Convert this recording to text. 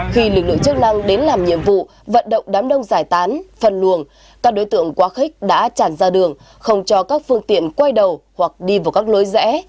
khi lực lượng chức năng đến làm nhiệm vụ vận động đám đông giải tán phân luồng các đối tượng quá khích đã tràn ra đường không cho các phương tiện quay đầu hoặc đi vào các lối rẽ